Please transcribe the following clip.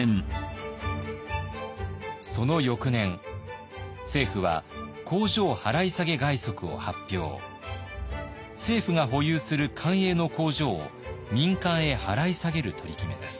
その翌年政府は政府が保有する官営の工場を民間へ払い下げる取り決めです。